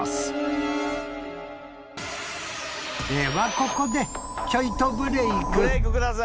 ここでちょいとブレイク